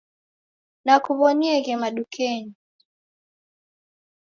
Nakuw'onieghe madukenyi.